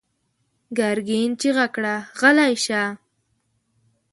ګرګين چيغه کړه: غلی شه!